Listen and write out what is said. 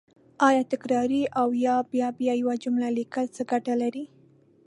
آیا تکراري او په بیا بیا یوه جمله لیکل څه ګټه لري